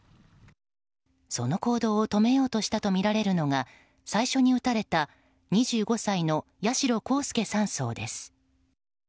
その行動を止めようとしたとみられるのは最初に撃たれた２５歳の八代航佑３等です。